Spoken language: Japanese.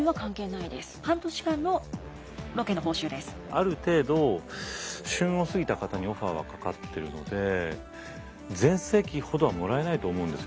ある程度旬を過ぎた方にオファーはかかってるので全盛期ほどはもらえないと思うんですよ。